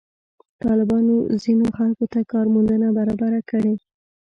طالبانو ځینو خلکو ته کار موندنه برابره کړې.